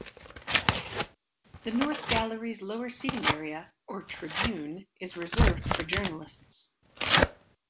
The north gallery's lower seating area, or tribune, is reserved for journalists.